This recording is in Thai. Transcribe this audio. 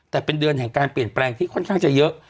แต่เป็นเดือนแห่งการเปลี่ยนแปลงที่ค่อนข้างจะเยอะ